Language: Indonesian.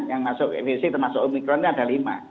yang masuk voc termasuk omikron itu ada lima